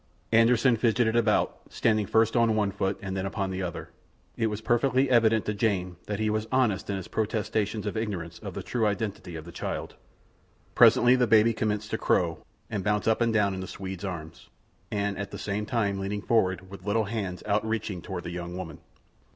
Anderssen fidgeted about, standing first on one foot and then upon the other. It was perfectly evident to Jane that he was honest in his protestations of ignorance of the true identity of the child. Presently the baby commenced to crow, and bounce up and down in the Swede's arms, at the same time leaning forward with little hands out reaching toward the young woman.